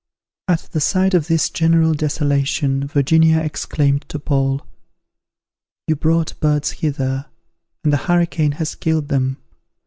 At the sight of this general desolation, Virginia exclaimed to Paul, "You brought birds hither, and the hurricane has killed them.